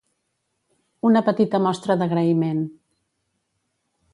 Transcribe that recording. Un petita mostra d'agraïment.